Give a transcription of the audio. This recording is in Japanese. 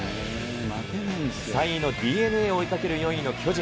３位のＤｅＮＡを追いかける４位の巨人。